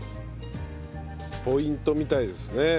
ポイントみたいですね。